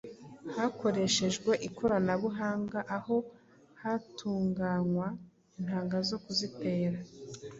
hakoreshejwe ikoranabuhanga aho hatunganywa intanga zo kuzitera,